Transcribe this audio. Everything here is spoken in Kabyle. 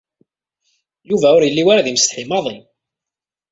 Yuba ur yelli ara d imsetḥi maḍi.